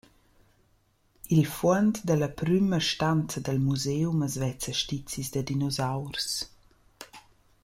I’l fuond da la prüma stanza dal museum as vezza stizis da dinosaurs.